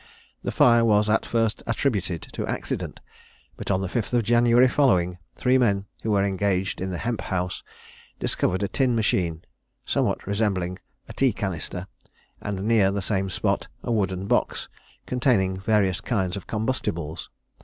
The fire was at first attributed to accident; but on the 5th of January following, three men, who were engaged in the hemp house, discovered a tin machine, somewhat resembling a tea canister, and near the same spot a wooden box, containing various kinds of combustibles.